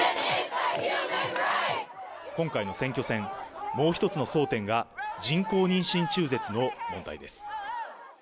今回の選挙戦、もう一つの争点が、人工妊娠中絶の問題です。